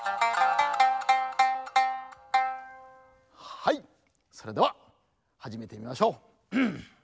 はいそれでははじめてみましょう。